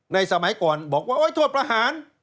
สมัยก่อนบอกว่าโทษประหาร